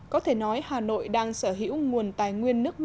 có thể nói hà nội đang sở hữu nguồn tài nguyên nước mặn